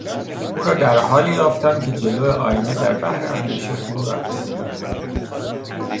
او را در حالی یافتم که جلو آینه در بحر اندیشه فرو رفته بود.